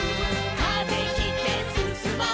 「風切ってすすもう」